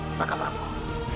tinggalkan tugasnya makam aku